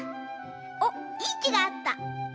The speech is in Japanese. おっいいきがあった。